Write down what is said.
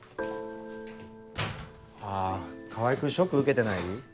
あ川合君ショック受けてない？